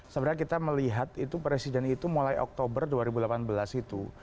sebenarnya kita melihat itu presiden itu mulai oktober dua ribu delapan belas itu